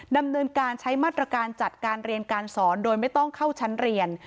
ดำเนินการใช้มาตรการจัดการเรียนการสอนโดยไม่ต้องเข้าชั้นเรียน